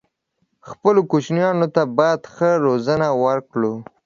خپلو کوچنيانو ته بايد ښه روزنه ورکړو